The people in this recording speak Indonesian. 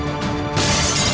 ya ini udah berakhir